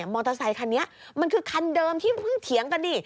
อเตอร์ไซคันนี้มันคือคันเดิมที่เพิ่งเถียงกันดิ